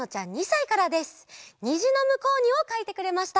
「にじのむこうに」をかいてくれました。